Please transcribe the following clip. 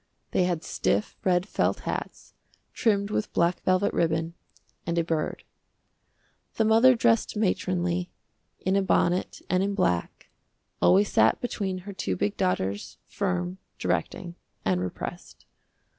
They had stiff, red felt hats, trimmed with black velvet ribbon, and a bird. The mother dressed matronly, in a bonnet and in black, always sat between her two big daughters, firm, directing, and repressed.